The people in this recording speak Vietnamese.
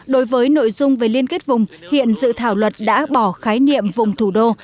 đối với nội dung về liên kết vùng hiện dự thảo luật đã bỏ khái niệm vùng thủ đô